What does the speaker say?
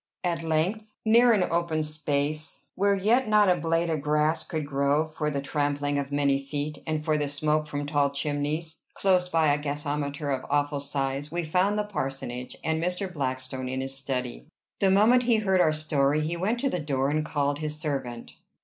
At length, near an open space, where yet not a blade of grass could grow for the trampling of many feet, and for the smoke from tall chimneys, close by a gasometer of awful size, we found the parsonage, and Mr. Blackstone in his study. The moment he heard our story he went to the door and called his servant.